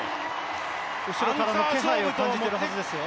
後ろからの気配を感じているはずですよ。